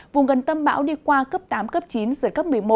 vùng gần tâm bão đi qua cấp tám cấp chín giật cấp một mươi một